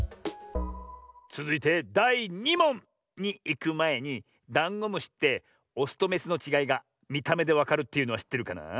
つづいてだい２もん！にいくまえにダンゴムシってオスとメスのちがいがみためでわかるというのはしってるかな？